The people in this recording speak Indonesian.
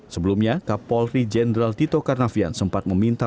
sebelumnya kapolri jenderal tito karnavian sempat meminta